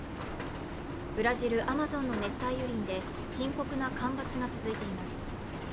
ブラジル・アマゾンの熱帯雨林で深刻な干ばつが続いています。